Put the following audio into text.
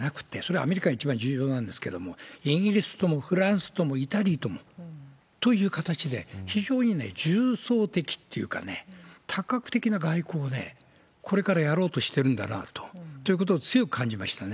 アメリカが一番重要なんですけれども、イギリスともフランスともイタリアとも、という形で、非常に重層的っていうかね、多角的な外交で、これからやろうとしてるんだなあということを強く感じましたね。